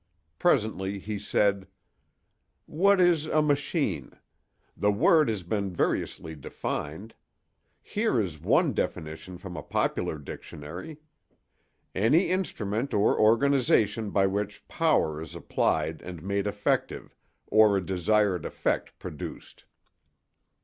Presently he said: "What is a 'machine'? The word has been variously defined. Here is one definition from a popular dictionary: 'Any instrument or organization by which power is applied and made effective, or a desired effect produced.